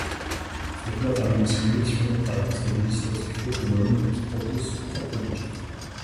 Cette loi permet aussi l'élection d'un conseil législatif autonome, qui contrôle son propre budget.